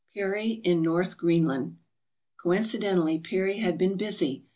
Peary ln North Greenland Coincidently Peary had been busy.